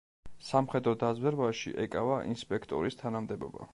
სამხედრო დაზვერვაში ეკავა ინსპექტორის თანამდებობა.